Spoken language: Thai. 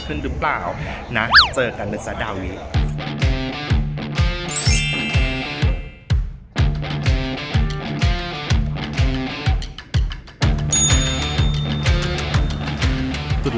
ขึ้นหรือเปล่านะเจอกันเมื่อสัตว์ดาวิก